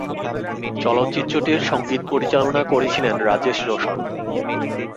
চলচ্চিত্রটির সঙ্গীত পরিচালনা করেছিলেন রাজেশ রোশন।